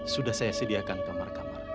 sudah saya sediakan kamar kamar